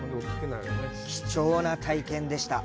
貴重な体験でした。